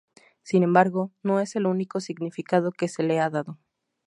Sin embargo, no es el único significado que se le ha dado.